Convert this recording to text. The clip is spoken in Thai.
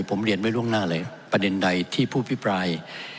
ผมเรียนไว้ล่วงหน้าเลยประเด็นใดที่ผู้พิปราย